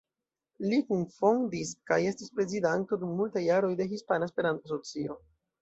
Li kunfondis kaj estis prezidanto dum multaj jaroj de Hispana Esperanto-Asocio.